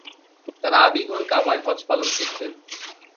তাঁরা আদিঘর কাবায় হজ্জ পালন করতেন।